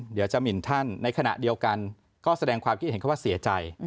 เดี๋ยวจะหมินท่านในขณะเดียวกันก็แสดงความคิดเห็นเขาว่าเสียใจ